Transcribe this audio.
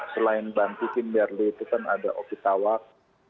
selain banti kinderli itu kan ada opitawak